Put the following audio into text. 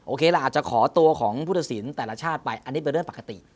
ล่ะอาจจะขอตัวของผู้ตัดสินแต่ละชาติไปอันนี้เป็นเรื่องปกติ